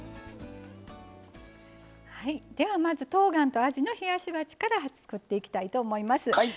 では、まずとうがんとあじの冷やし鉢から作っていきたいと思います。